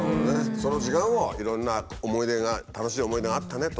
その時間をいろんな思い出が楽しい思い出があったねと。